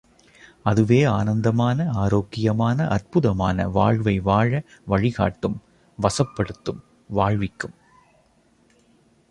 அதுவே ஆனந்தமான, ஆரோக்கியமான, அற்புதமான வாழ்வை வாழ வழிகாட்டும், வசப்படுத்தும் வாழ்விக்கும்.